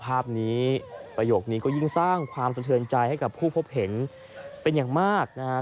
ภาพนี้ประโยคนี้ก็ยิ่งสร้างความสะเทือนใจให้กับผู้พบเห็นเป็นอย่างมากนะฮะ